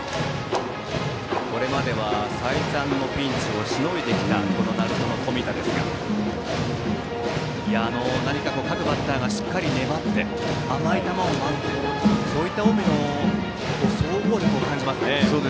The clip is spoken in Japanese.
これまでは再三のピンチをしのいできた鳴門の冨田ですが何か各バッターがしっかり粘って甘い球を待ってそういった近江の総合力を感じますね。